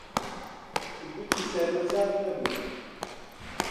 گوتی شەرمەزار نەبووم.